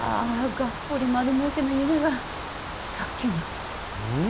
がっぽり丸儲けの夢が借金がうん？